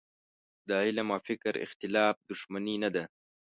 د علم او فکر اختلاف دوښمني نه ده.